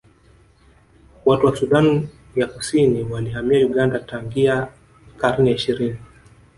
Watu wa Sudani ya Kusini walihamia Uganda tangia karne ya ishirini